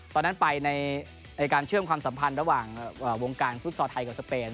ตอนนั้นไปในการเชื่อมความสัมพันธ์ระหว่างวงการฟุตซอลไทยกับสเปน